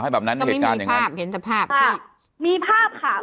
มีภาพมีภาพค่ะ